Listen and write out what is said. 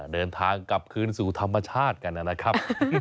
เดินทางกลับคืนสู่ธรรมชาติกันนะครับ